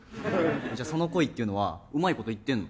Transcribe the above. じゃあその恋っていうのはうまいこといってんの？